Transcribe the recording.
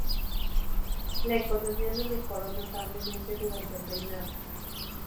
La economía no mejoró notablemente durante el reinado.